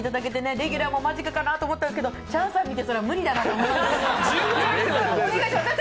レギュラーも間近かなと思ったんですけど、チャンさんを置いてそれは無理だなと思いました。